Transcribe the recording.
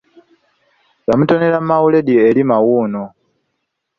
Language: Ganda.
Yamutonera mawuleddi eri mawuuno.